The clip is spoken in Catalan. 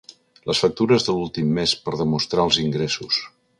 Les factures de l'últim més per demostrar els ingressos.